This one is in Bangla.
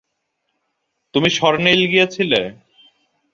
তুমি সরনেইল গিয়েছিলে?